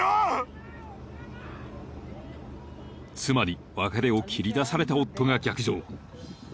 ［妻に別れを切り出された夫が逆上］